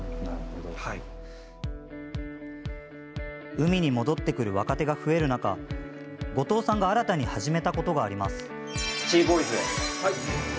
海に戻ってくる若手が増える中後藤さんが新たに始めたことがあります。